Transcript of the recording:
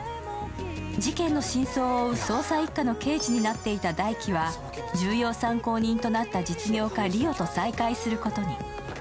事件の真相を追う捜査一課の刑事になっていた大輝は重要参考人となった実業家、梨央と再会することに。